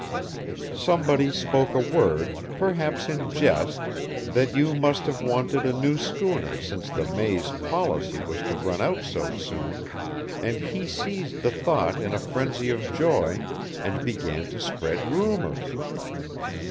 "Somebody spoke a word, perhaps in jest, that you must have wanted a new schooner since the May's policy was to run out so soon, and he seized the thought in a frenzy of joy and began to spread rumors.